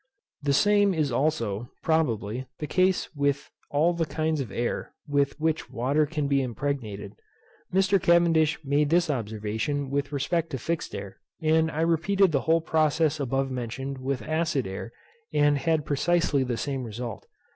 The same is also, probably, the case with all the kinds of air with which water can be impregnated. Mr. Cavendish made this observation with respect to fixed air, and I repeated the whole process above mentioned with acid air, and had precisely the same result.